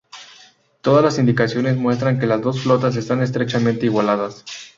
Todas las indicaciones muestran que las dos flotas están estrechamente igualadas.